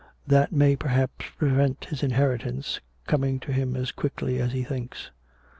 " That may perhaps prevent his inheritance coming to him as quickly as he thinks."